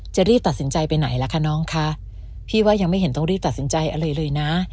รีบตัดสินใจไปไหนล่ะคะน้องคะพี่ว่ายังไม่เห็นต้องรีบตัดสินใจอะไรเลยนะ